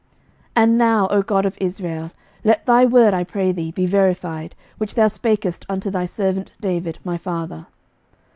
11:008:026 And now, O God of Israel, let thy word, I pray thee, be verified, which thou spakest unto thy servant David my father.